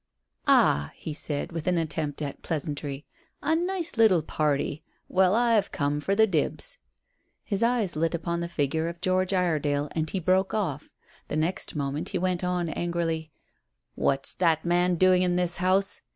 "Ah," he said, with an attempt at pleasantry, "a nice little party. Well, I've come for the dibs." His eyes lit upon the figure of George Iredale, and he broke off. The next moment he went on angrily "What's that man doing in this house?"